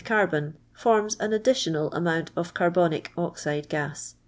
carbon, forms an additional amount of carbonic oxide gas.